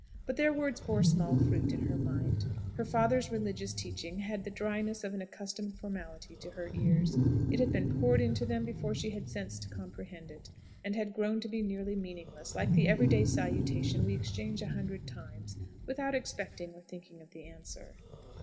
But their words bore small fruit in her mind. Her father's religious teaching had the dryness of an accustomed formality to her ears. It had been poured into them before she had sense to comprehend it, and had grown to be nearly meaningless, like the everyday salutation we exchange a hundred times, without expecting or thinking of the answer.